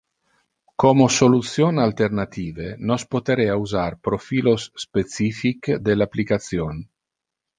Como solution alternative, nos poterea usar profilos specific del application.